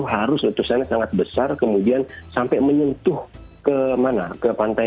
harus letusannya sangat besar kemudian sampai menyentuh ke mana